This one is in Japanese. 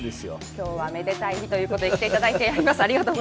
今日はめでたい日ということで、来ていただいております。